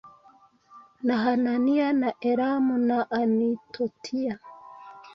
na hananiya na elamu na anitotiya